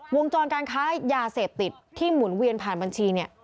วงจรการค้ายาเสพติดที่หมุนเวียนผ่านบัญชีเนี่ย